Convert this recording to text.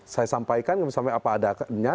saya sampaikan sampai apa adanya